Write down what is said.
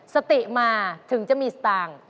สติมาถึงจะมีสตางค์